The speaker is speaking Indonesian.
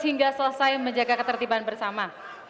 hingga selesai menjaga ketertiban bersama